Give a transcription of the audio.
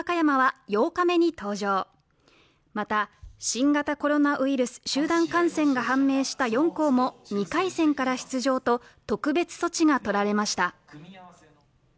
新型コロナウイルス集団感染が判明した４校も２回戦から出場と特別措置がとられました。